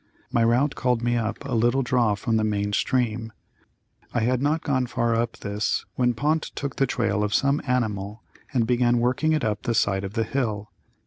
My route called me up a little draw from the main stream. I had not gone far up this when Pont took the trail of some animal and began working it up the side of the hill.